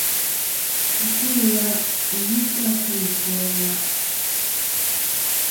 Atu-ila' ghɨ kɨ a tu isæa-la'.